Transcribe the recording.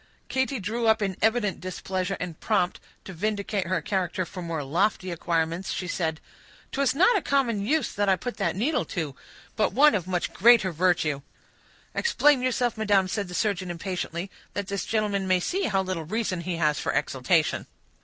Katy drew up in evident displeasure, and prompt to vindicate her character for more lofty acquirements, she said,— "'Twas not a common use that I put that needle to—but one of much greater virtue." "Explain yourself, madam," said the surgeon impatiently, "that this gentleman may see how little reason he has for exultation."